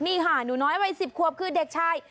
นี่ค่ะหนูน้อยวัย๑๐ควบคือเด็กชาย